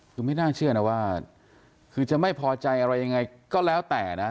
คือไม่น่าเชื่อนะว่าคือจะไม่พอใจอะไรยังไงก็แล้วแต่นะ